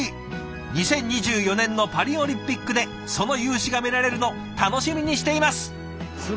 ２０２４年のパリオリンピックでその雄姿が見られるの楽しみにしています。